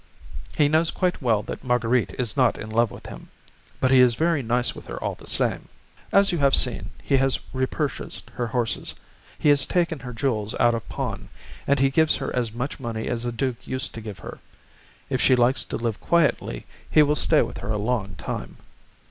He knows quite well that Marguerite is not in love with him; but he is very nice with her all the same. As you have seen, he has repurchased her horses, he has taken her jewels out of pawn, and he gives her as much money as the duke used to give her; if she likes to live quietly, he will stay with her a long time."